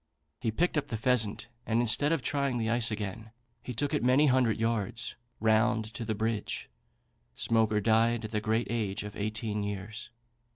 He picked up the pheasant, and instead of trying the ice again, he took it many hundred yards round to the bridge. Smoaker died at the great age of eighteen years.